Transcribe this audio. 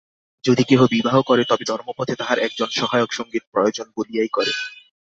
যদি কেহ বিবাহ করে, তবে ধর্মপথে তাহার একজন সহায়ক সঙ্গীর প্রয়োজন বলিয়াই করে।